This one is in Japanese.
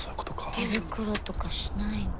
手袋とかしない？